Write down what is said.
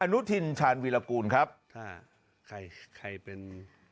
นุทินชาญวีรกูลครับอ่าใครใครเป็น